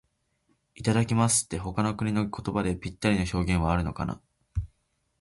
「いただきます」って、他の国の言葉でぴったりの表現はあるのかな。